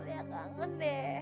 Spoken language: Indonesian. ya kangen ya